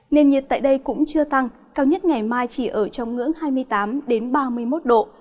nền nhiệt tại đây cũng chưa tăng cao nhất ngày mai chỉ ở trong ngưỡng hai mươi tám ba mươi một độ